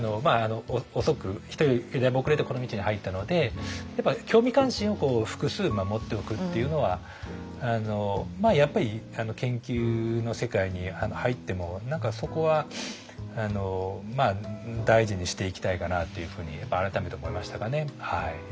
遅く人よりだいぶ遅れてこの道に入ったのでやっぱ興味関心を複数持っておくっていうのはやっぱり研究の世界に入っても何かそこは大事にしていきたいかなっていうふうにやっぱ改めて思いましたかね。